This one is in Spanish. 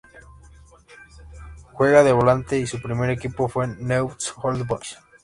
Juega de volante y su primer equipo fue Newell's Old Boys.